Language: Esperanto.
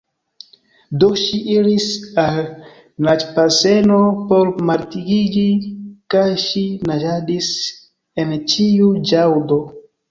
Do ŝi iris al naĝbaseno por maldikiĝi, kaj ŝi naĝadis en ĉiu ĵaŭdo.